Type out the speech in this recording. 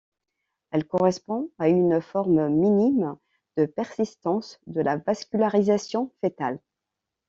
Elle correspond à une forme minime de persistance de la vascularisation fœtale.